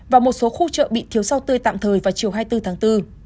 và một số khu chợ bị thiếu rau tươi tạm thời vào chiều hai mươi bốn tháng bốn